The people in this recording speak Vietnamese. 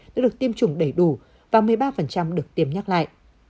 đã được tiêm chủng đầy đủ và một mươi ba được tiêm nhắc lại